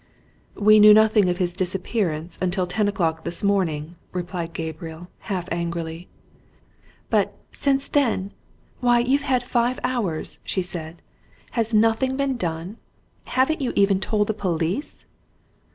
"We knew nothing of his disappearance until ten o'clock this morning," replied Gabriel, half angrily. "But since then? Why, you've had five hours!" she said. "Has nothing been done? Haven't you even told the police?"